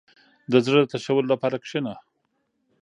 • د زړۀ د تشولو لپاره کښېنه.